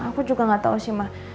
aku juga nggak tau sih ma